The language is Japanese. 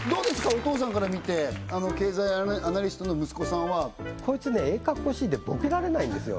お父さんから見て経済アナリストの息子さんはこいつねええかっこしいでボケられないんですよ